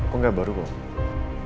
kok gak baru kok